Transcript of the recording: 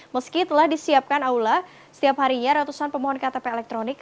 meski telah disiapkan aula setiap harinya ratusan pemohon ktp elektronik